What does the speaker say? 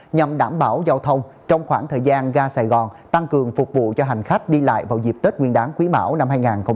nhằm đảm bảo giao thông trong khoảng thời gian ga sài gòn tăng cường phục vụ cho hành khách đi lại vào dịp tết nguyên đáng quý mão năm hai nghìn hai mươi